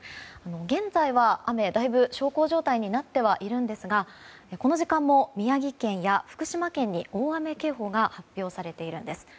現在はだいぶ小康状態になっていますがこの時間も宮城県や福島県に大雨警報が発表されているんです。